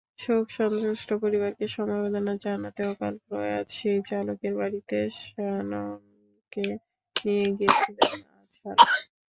শোকসন্ত্রস্ত পরিবারকে সমবেদনা জানাতে অকালপ্রয়াত সেই চালকের বাড়িতে শ্যাননকে নিয়ে গিয়েছিলেন আজহার।